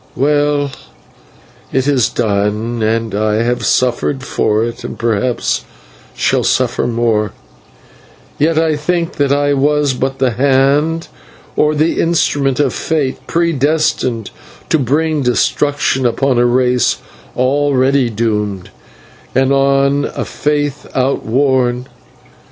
Well, it is done, and I have suffered for it and perhaps shall suffer more, yet I think that I was but the hand or the instrument of Fate predestined to bring destruction upon a race already doomed, and on a faith outworn.